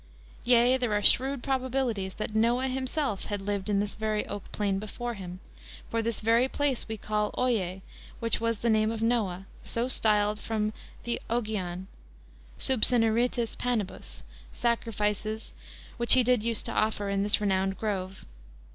Yea, there are shrewd probabilities that Noah himself had lived in this very Oak plain before him; for this very place was called Oyye, which was the name of Noah, so styled from the Oggyan (subcineritiis panibus) sacrifices, which he did use to offer in this renowned Grove.